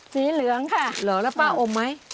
สีเหลืองค่ะเหรอแล้วป้าอมไหม